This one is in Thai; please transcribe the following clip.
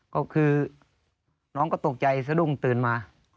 ก็คือน้องก็ตกใจสะดุ้งตื่นมา